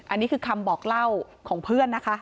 อันนี้คือคำบอกเล่าของเพื่อนนะคะ